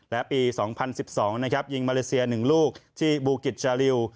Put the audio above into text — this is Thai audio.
และปี๒๐๑๒นะครับยิงมาเลเซีย๑ลูกที่บูกิจชาลิว